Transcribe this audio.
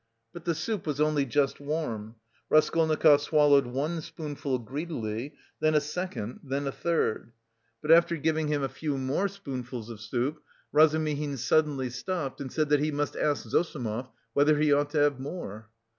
But the soup was only just warm. Raskolnikov swallowed one spoonful greedily, then a second, then a third. But after giving him a few more spoonfuls of soup, Razumihin suddenly stopped, and said that he must ask Zossimov whether he ought to have more.